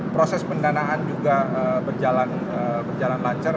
proses pendanaan juga berjalan lancar